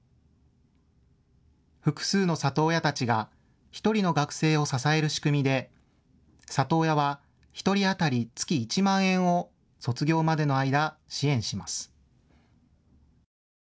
複数の里親たちが１人の学生を支える仕組みで里親は１人当たり月１万円を卒業までの間、支援します。